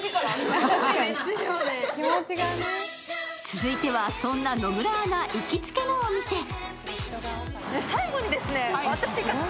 続いてはそんな野村アナ行きつけのお店へ。